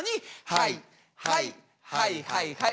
はいはいはいはいはい。